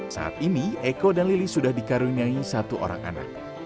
saat ini eko dan lili sudah dikaruniai satu orang anak